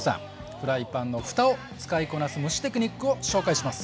フライパンのふたを使いこなす蒸しテクニックを紹介します。